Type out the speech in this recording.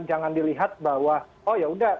jangan dilihat bahwa oh yaudah